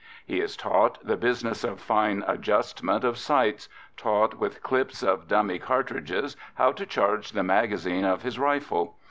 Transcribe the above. He is taught the business of fine adjustment of sights, taught with clips of dummy cartridges how to charge the magazine of his rifle.